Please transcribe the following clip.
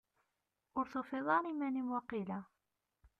Ur tufiḍ ara iman-im, waqila?